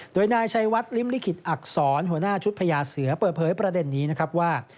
โดยนายชัยวัดริมลิขิตอักษรหัวหน้าชุดพญาเสือเปิดเผยประเด็นนี้นะครับว่า